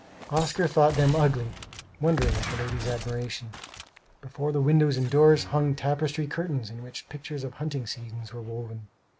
Oscar thought them ugly, wondering at the ladies' admiration. Before the doors and windows hung tapestry curtains in which pictures of hunting scenes were woven.